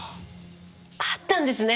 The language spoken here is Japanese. あったんですね。